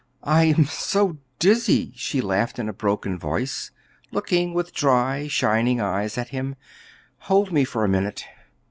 "I am so dizzy," she laughed in a broken voice, looking with dry, shining eyes at him; "hold me for a minute."